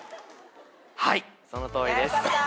はいそのとおりです。